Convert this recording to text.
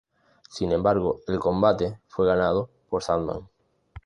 Sin embargo, el combate fue ganado por Sandman.